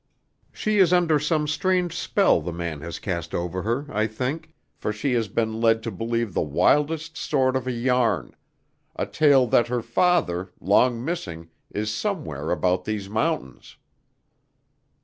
"She is under some strange spell the man has cast over her, I think, for she has been led to believe the wildest sort of a yarn a tale that her father, long missing, is somewhere about these mountains."